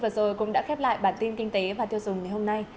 vừa rồi cũng đã khép lại bản tin kinh tế và tiêu dùng ngày hôm nay